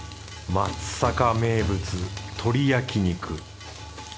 松阪名物鳥焼肉。